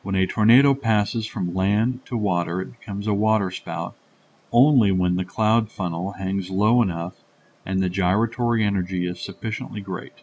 When a tornado passes from land to water it becomes a waterspout only when the cloud funnel hangs low enough and the gyratory energy is sufficiently great.